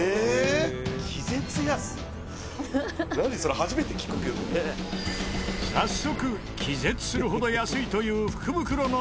早速気絶するほど安いという福袋の捜査へ。